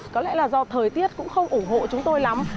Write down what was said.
có lẽ là do thời tiết cũng không ủng hộ chúng tôi lắm